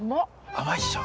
甘いっしょ。